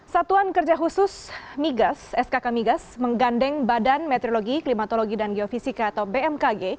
satuan kerja khusus skk migas menggandeng badan meteorologi klimatologi dan geofisika atau bmkg